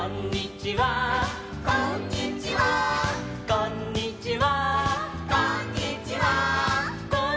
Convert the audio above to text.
「こんにちは」